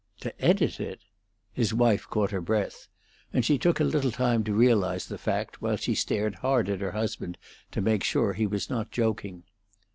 "To edit it?" His wife caught her breath, and she took a little time to realize the fact, while she stared hard at her husband to make sure he was not joking.